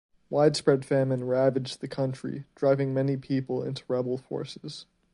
Widespread famine ravaged the country, driving many of the people into rebel forces.